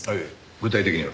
具体的には？